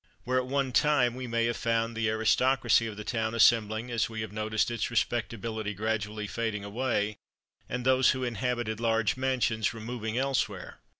Where at one time we may have found the aristocracy of the town assembling, we have noticed its respectability gradually fading away, and those who inhabited large mansions removing elsewhere.